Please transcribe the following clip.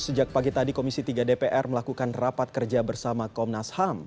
sejak pagi tadi komisi tiga dpr melakukan rapat kerja bersama komnas ham